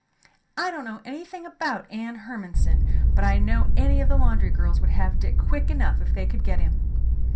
"I don't know anything about Anne Hermanson, but I know any of the laundry girls would have Dick quick enough if they could get him."